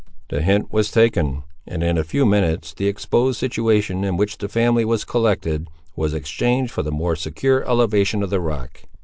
The hint was taken; and in a few minutes, the exposed situation in which the family was collected, was exchanged for the more secure elevation of the rock.